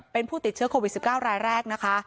เป็นผู้ติดเชื้อโควิด๑๙รายแรกนะคะ